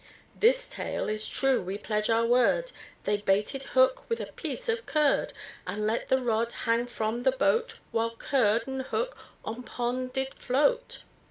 This tale is true we pledge our word, They baited hook with a piece of curd, And let the rod hang from the boat, While curd and hook on pond did float.